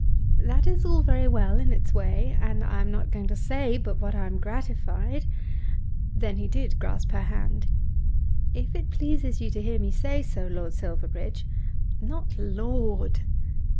"That is all very well in its way, and I am not going to say but what I am gratified." Then he did grasp her hand. "If it pleases you to hear me say so, Lord Silverbridge " "Not Lord!"